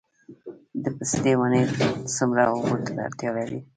د پستې ونې څومره اوبو ته اړتیا لري؟